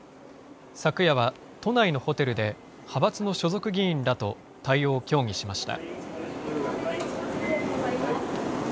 昨夜は、都内のホテルで派閥の所属議員らと対応を協議しました。